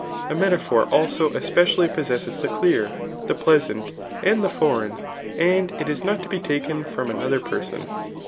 A metaphor also especially possesses the clear, the pleasant, and the for:^ eign, and it is not to be taken from another person.